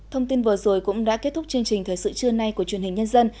thông tin vừa rồi cũng đã kết thúc chương trình thời sự trưa nay của truyền hình nhân dân